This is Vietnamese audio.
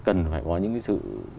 cần phải có những cái sự